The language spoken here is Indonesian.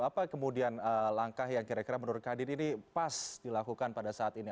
apa kemudian langkah yang kira kira menurut kadin ini pas dilakukan pada saat ini